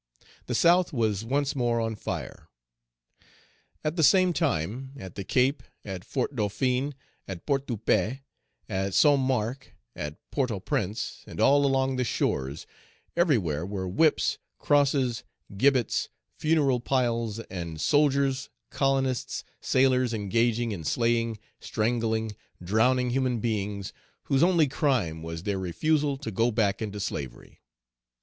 The South was once more on fire. At the same time, at the Cape, at Fort Dauphin, at Port de Paix, at Saint Marc, at Port au Prince, and all along the shores, everywhere were whips, crosses, gibbets, funeral piles; and soldiers, colonists, sailors engaged in slaying, strangling, drowning human beings, whose only crime was their refusal to go back into slavery.